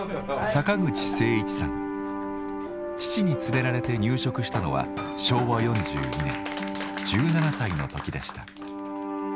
父に連れられて入植したのは昭和４２年１７歳の時でした。